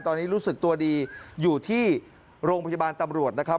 ตอนนี้รู้สึกตัวดีอยู่ที่โรงพยาบาลตำรวจนะครับ